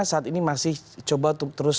saat ini masih coba terus